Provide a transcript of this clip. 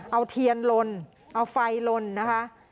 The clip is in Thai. เอาเทียนลนเอาไฟลนนะคะ